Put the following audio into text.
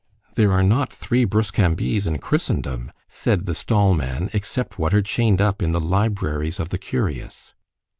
——There are not three Bruscambilles in Christendom—said the stall man, except what are chain'd up in the libraries of the curious.